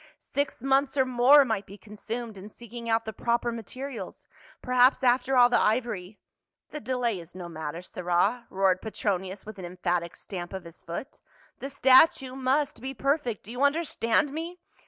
" Six months or more might be consumed in seeking out the proper materials ; perhaps after all the ivory —" "The delay is no matter, sirrah," roared Petronius with an emphatic stamp of his foot. " The statue must be perfect. Do you understand me?"